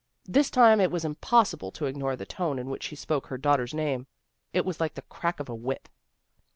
This time it was impossible to ignore the tone in which she spoke her daugh ter's name. It was like the crack of a whip.